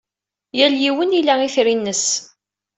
Yal yiwen ila itri-nnes.